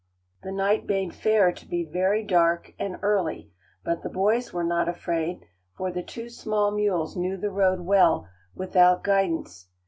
The night bade fair to be very dark and early, but the boys were not afraid, for the two small mules knew the road well without guidance.